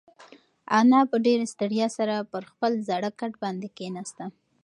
انا په ډېرې ستړیا سره پر خپل زاړه کټ باندې کښېناسته.